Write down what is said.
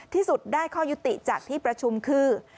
ที่สุดได้ข้อยุติจากที่ประชุมคือ